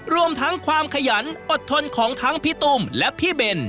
รวมทั้งความขยันอดทนของทั้งพี่ตุ้มและพี่เบน